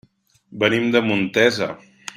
Venim de Montesa.